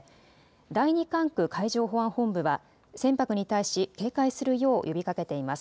第２管区海上保安本部は船舶に対し警戒するよう呼びかけています。